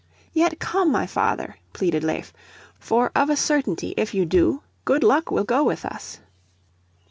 "Yet come, my father," pleaded Leif, "for of a certainty if you do, good luck will go with us."